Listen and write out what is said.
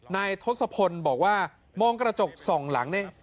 ทศพลบอกว่ามองกระจกส่องหลังเนี่ย